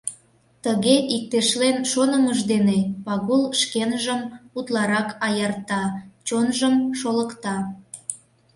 Тыге иктешлен шонымыж дене Пагул шкенжым утларак аярта, чонжым шолыкта.